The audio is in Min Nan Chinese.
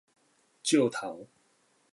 照頭